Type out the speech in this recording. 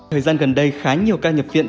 thời gian gần đây khá nhiều ca nhập viện